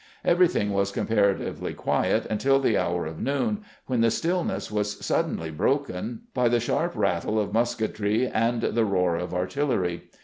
Everything was comparatively quiet until the hour of noon, when the stillness was suddenly broken by the sharp rattle of musketry and the roar of artillery.